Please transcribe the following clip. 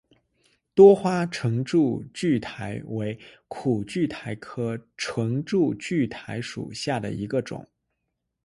多花唇柱苣苔为苦苣苔科唇柱苣苔属下的一个种。